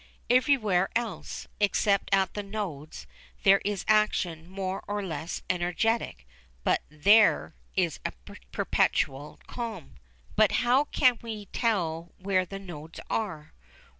] Everywhere else, except at the nodes, there is action more or less energetic, but there is perpetual calm. But how can we tell where the nodes are?